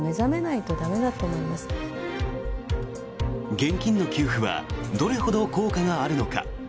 現金の給付はどれほど効果があるのか。